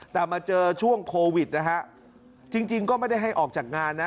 แต่มาเจอช่วงโควิดนะฮะจริงก็ไม่ได้ให้ออกจากงานนะ